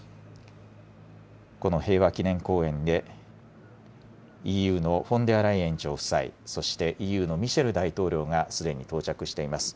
この平和きねん公園でＥＵのフォンデアライエン委員長夫妻、そしてＥＵのミシェル大統領がすでに到着しています。